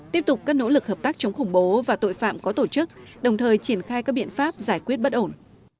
tiếp tục các nỗ lực hợp tác chống khủng bố và tội phạm có tổ chức đồng thời triển khai các biện pháp giải quyết bất ổn